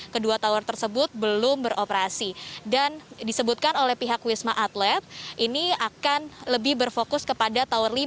kedua tower tersebut belum beroperasi dan disebutkan oleh pihak wisma atlet ini akan lebih berfokus kepada tower lima